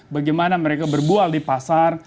bagaimana mereka berbual di pasar